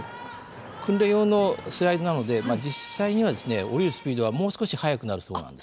訓練用のスライドなので実際にはですね降りるスピードはもう少し速くなるそうなんです。